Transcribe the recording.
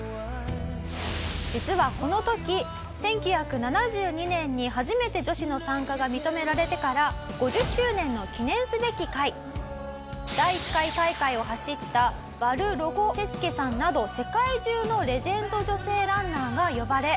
「実はこの時１９７２年に初めて女子の参加が認められてから５０周年の記念すべき回」「第１回大会を走ったバル・ロゴシェスケさんなど世界中のレジェンド女性ランナーが呼ばれ」